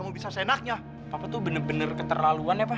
pak papa tuh bener bener keterlaluan ya pak